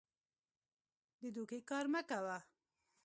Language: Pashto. د دوکې کار مه کوه.